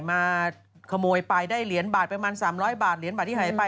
มาขโมยไปได้เหรียญบาทประมาณ๓๐๐บาทเหรียญบาทที่หายไป